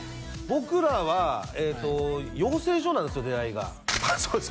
僕らは養成所なんすよ出会いがそうです